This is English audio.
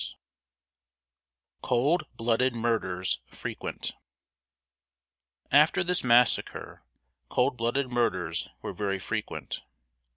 [Sidenote: COLD BLOODED MURDERS FREQUENT.] After this massacre, cold blooded murders were very frequent.